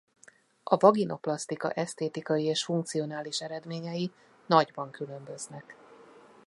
A vaginoplasztika esztétikai és funkcionális eredményei nagyban különböznek.